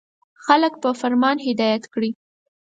• خلک په فرمان هدایت کړئ.